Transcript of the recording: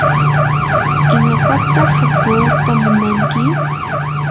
¿imapataq hakuuta munanki?